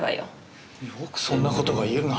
よくそんな事が言えるな。